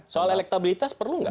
soal elektabilitas perlu nggak